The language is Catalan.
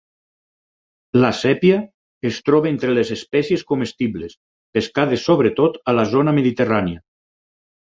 La sèpia es troba entre les espècies comestibles, pescades sobretot a la zona Mediterrània.